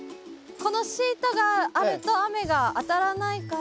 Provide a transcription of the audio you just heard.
このシートがあると雨が当たらないから。